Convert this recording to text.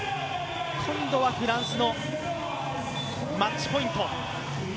今度はフランスのマッチポイント。